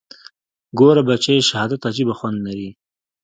ګوره بچى شهادت عجيبه خوند لري.